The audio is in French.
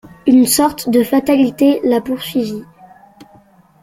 Une sorte de fatalité l'a poursuivi.